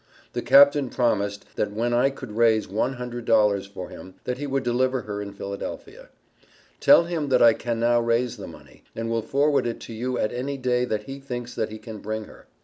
The Capt. promised, that when I could raise one hundred dollars for him that he would deliver her in Philadelphia. Tell him that I can now raise the money, and will forward it to you at any day that he thinks that he can bring her.